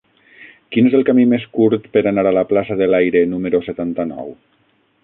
Quin és el camí més curt per anar a la plaça de l'Aire número setanta-nou?